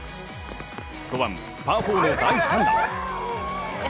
５番、パー４の第３打。